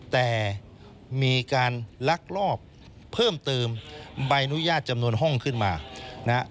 แต่มีการลักลอบเพิ่มเติมใบอนุญาตจำนวนห้องขึ้นมานะครับ